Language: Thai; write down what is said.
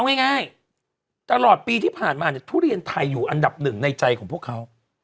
เอาง่ายตลอดปีที่ผ่านมาเนี่ยทุเรียนไทยอยู่อันดับหนึ่งในใจของพวกเขา